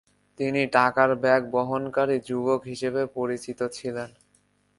তিনি টাকার ব্যাগ বহনকারী যুবক হিসেবে পরিচিত ছিলেন।